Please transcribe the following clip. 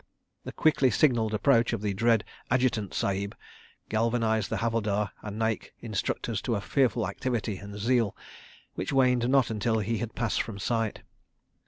The quickly signalled approach of the dread Adjutant Sahib galvanised the Havildar and Naik instructors to a fearful activity and zeal, which waned not until he had passed from sight.